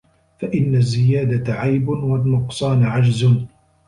فَإِنَّ الزِّيَادَةَ عَيْبٌ وَالنُّقْصَانَ عَجْزٌ